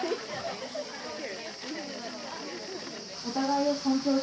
お互いを尊重し